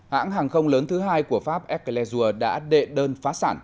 hãng hàng không lớn thứ hai của pháp eglesual đã đệ đơn phá sản